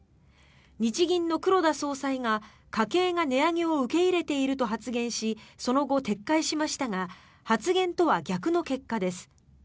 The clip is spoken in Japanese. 日銀の黒田総裁が家計が値上げを受け入れていると発言しその後、撤回しましたが発言とは逆の結果です。